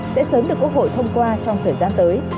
sẽ sớm được ủng hộ thông qua trong thời gian tới